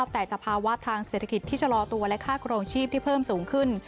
แต่สภาวะทางเศรษฐกิจที่ชะลอตัวและค่าครองชีพที่เพิ่มสูงขึ้น